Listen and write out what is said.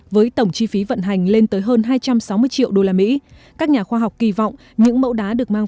với tổng chi phí vận hành lên tới hơn hai trăm sáu mươi triệu usd các nhà khoa học kỳ vọng những mẫu đá được mang